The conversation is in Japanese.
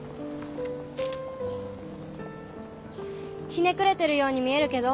ひねくれてるように見えるけど。